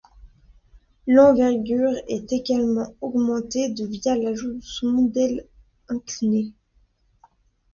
L'envergure est également augmentée de via l'ajout de saumons d'aile inclinés.